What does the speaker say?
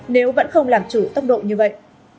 nếu vẫn không làm chủ tốc độ như vậy